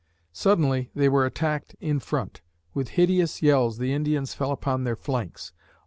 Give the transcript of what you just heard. Suddenly, they were attacked in front! With hideous yells, the Indians fell upon their flanks.